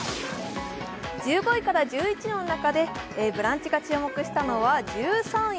１５位から１１位の中で「ブランチ」が注目したのは１３位。